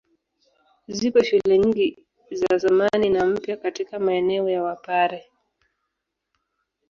Zipo shule nyingi za zamani na mpya katika maeneo ya Wapare.